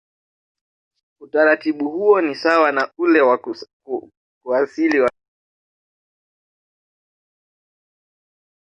Utaratibu huo ni sawa na ule wa kuasili watoto kisheria